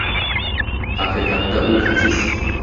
Haqiqatda u xasis.